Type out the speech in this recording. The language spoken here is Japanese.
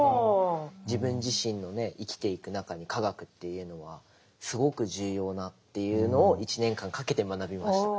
自分自身のね生きていく中に化学というのはすごく重要なっていうのを１年間かけて学びました。